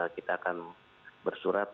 kita akan bersurat